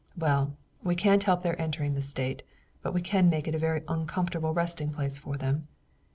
"Well, we can't help their entering the state, but we can make it a very uncomfortable resting place for them."